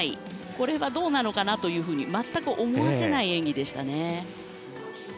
これはどうなのかなと全く思わせない演技でした。